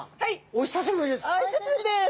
お久しぶりです。